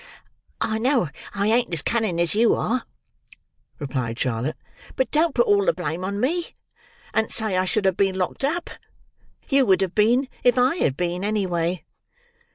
"I know I ain't as cunning as you are," replied Charlotte; "but don't put all the blame on me, and say I should have been locked up. You would have been if I had been, any way."